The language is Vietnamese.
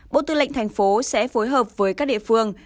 bộ tư lệnh thành phố sẽ phối hợp với các địa phương